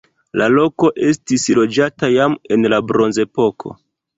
La loko estis loĝata jam en la bronzepoko.